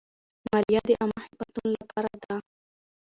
مالیه د عامه خدمتونو لپاره ده.